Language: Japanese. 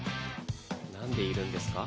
なんでいるんですか？